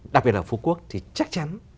đặc biệt là phú quốc thì chắc chắn